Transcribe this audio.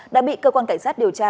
đã bị cơ quan cảnh sát điều tra